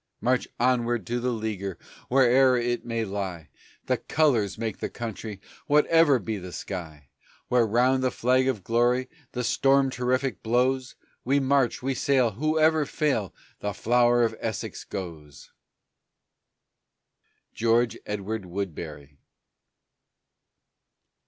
March onward to the leaguer wherever it may lie; The Colors make the Country whatever be the sky; Where round the Flag of Glory the storm terrific blows, We march, we sail, whoever fail, the Flower of Essex goes. GEORGE EDWARD WOODBERRY.